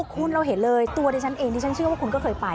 คุณเราเห็นเลยตัวดิฉันเองดิฉันเชื่อว่าคุณก็เคยไป